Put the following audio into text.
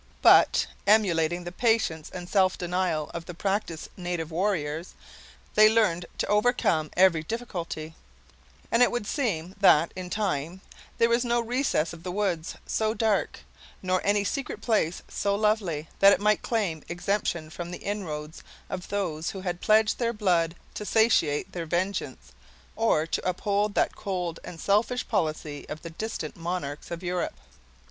But, emulating the patience and self denial of the practiced native warriors, they learned to overcome every difficulty; and it would seem that, in time, there was no recess of the woods so dark, nor any secret place so lovely, that it might claim exemption from the inroads of those who had pledged their blood to satiate their vengeance, or to uphold the cold and selfish policy of the distant monarchs of Europe.